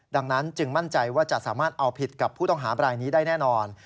ดังนั้นจึงมั่นใจว่าจะสามารถเอาผิดกับผู้ต้องหาบรายนี้ได้แน่นอน